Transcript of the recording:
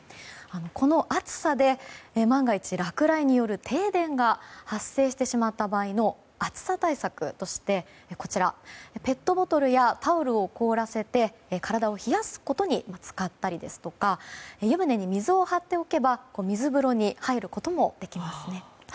この暑さで万が一、落雷による停電が発生してしまった場合の暑さ対策としてペットボトルやタオルを凍らせて体を冷やすことに使ったりですとか湯船に水を張っておけば水風呂に入ることもできますね。